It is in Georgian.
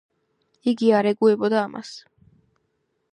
იგი არ ეგუებოდა ამას.